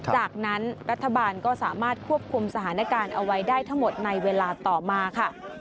จากนั้นรัฐบาลก็สามารถควบคุมสถานการณ์เอาไว้ได้ทั้งหมดในเวลาต่อมาค่ะ